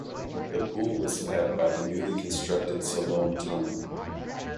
The pool was fed by the newly constructed Siloam tunnel.